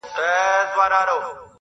حمزه د هنري ښکلا